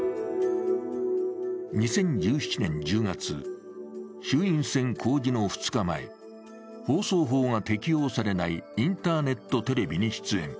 ２０１７年１０月、衆院選公示の２日前、放送法が適用されないインターネットテレビに出演。